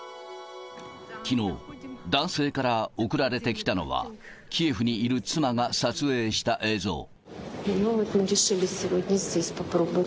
きのう、男性から送られてきたのは、キエフにいる妻が撮影した映像。